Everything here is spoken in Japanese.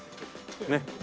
ねっ。